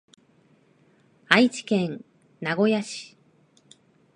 愛知県名古屋市